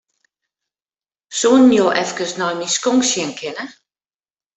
Soenen jo efkes nei myn skonk sjen kinne?